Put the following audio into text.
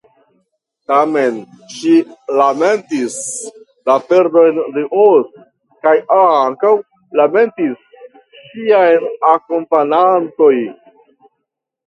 Tamen ŝi lamentis la perdon de Oz, kaj ankaŭ lamentis ŝiaj akompanantoj.